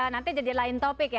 nanti jadi lain topik ya